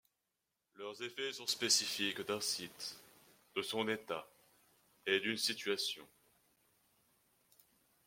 Leurs effets sont spécifiques d’un site, de son état et d’une situation.